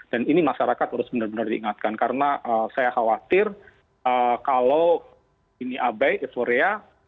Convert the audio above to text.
ini masyarakat harus benar benar diingatkan karena saya khawatir kalau ini abai euforia